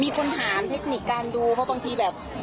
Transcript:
คนถามเทคนิคการดูเพราะบางทีแบบ